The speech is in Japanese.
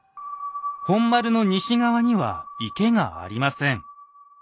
本丸の西側には池がありません。